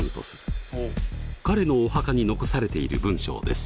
彼のお墓に残されている文章です。